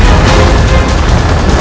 tak harus suaranya